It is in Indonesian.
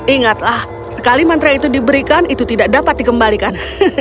ingatlah sekali mantra itu diberikan itu tidak dapat dikembalikan